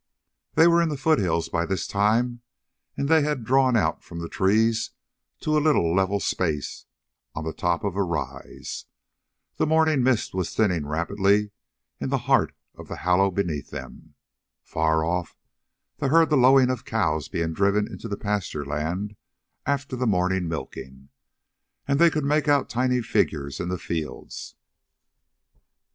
They were in the foothills by this time, and they had drawn out from the trees to a little level space on the top of a rise. The morning mist was thinning rapidly in the heart of the hollow beneath them. Far off, they heard the lowing of cows being driven into the pasture land after the morning milking, and they could make out tiny figures in the fields.